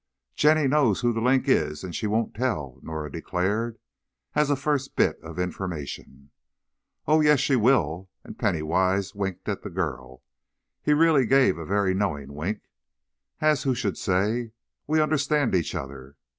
"Jenny knows who 'The Link' is, and she won't tell," Norah declared, as a first bit of information. "Oh, yes, she will," and Penny Wise winked at the girl. He really gave a very knowing wink, as who should say: "We understand each other."